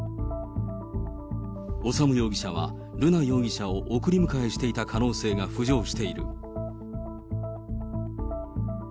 修容疑者は瑠奈容疑者を送り迎えしていた可能性が浮上している。